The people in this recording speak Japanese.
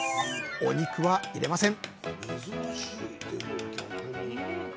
お肉は入れません！